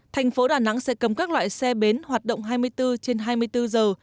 thành phố đà nẵng sẽ cấm các loại xe bến hoạt động hai mươi bốn trên hai mươi bốn giờ